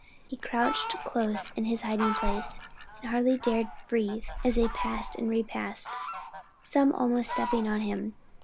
He crouched close in his hiding place, and hardly dared breathe as they passed and repassed, some almost stepping on him.